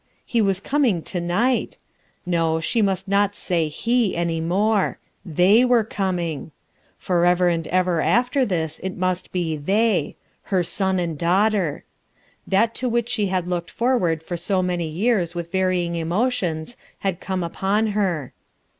He was coming to night ! No, she must not say "he" any more; they were coming. Forever and ever after this it must be "they". her son and daughter. That to which she had looked forward for so many years with varying emotions had come upon her.